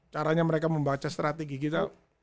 caranya mereka membaca strategi kita